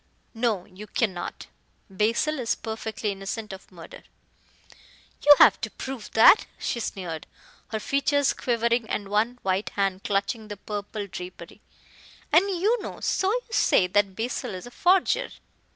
"No, you cannot. Basil is perfectly innocent of murder." "You have to prove that," she sneered, her features quivering and one white hand clutching the purple drapery, "and you know so you say, that Basil is a forger."